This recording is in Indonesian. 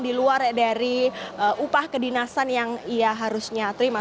di luar dari upah kedinasan yang ia harusnya terima